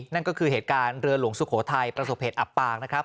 นั่นก็คือเหตุการณ์เรือหลวงสุโขทัยประสบเหตุอับปางนะครับ